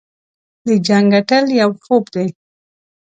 د جنګ ګټل یو خوب دی.